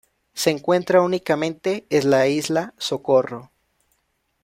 Se encuentra únicamente en la isla Socorro.